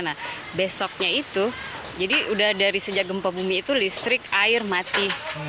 nah besoknya itu jadi udah dari sejak gempa bumi itu listrik air mati